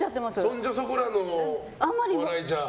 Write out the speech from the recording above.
そんじょそこらのお笑いじゃ。